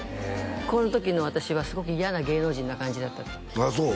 この時の私はすごく嫌な芸能人な感じだったんですあっそう？